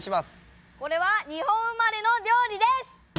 これは日本生まれの料理です！